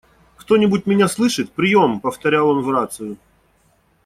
«Кто-нибудь меня слышит? Приём!», - повторял он в рацию.